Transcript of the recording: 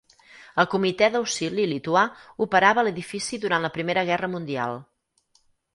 El Comitè d'Auxili lituà operava a l'edifici durant la Primera Guerra Mundial.